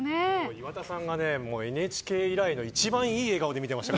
岩田さんがＮＨＫ以来の一番いい笑顔で見ていました。